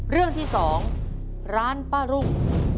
เรื่องที่๒ร้านป้ารุ่ง